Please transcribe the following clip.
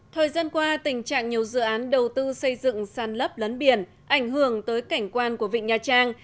thời gian qua tình trạng nhiều dự án đầu tư xây dựng sàn lấp lấn biển ảnh hưởng tới cảnh quan của vịnh nha trang